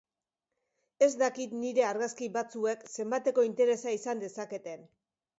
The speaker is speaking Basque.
Ez dakit nire argazki batzuek zenbateko interesa izan dezaketen.